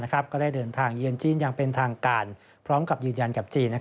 ก็ได้เดินทางเยือนจีนอย่างเป็นทางการพร้อมกับยืนยันกับจีน